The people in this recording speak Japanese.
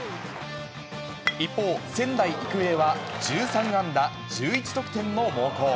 一方、仙台育英は１３安打１１得点の猛攻。